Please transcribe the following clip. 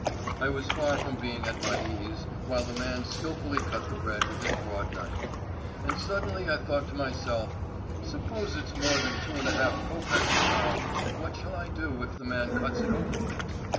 "I was far from being at my ease while the man skilfully cut the bread with his broad knife. And suddenly I thought to myself: 'Suppose it's more than two and a half copecks a pound, what shall I do if the man cuts it overweight?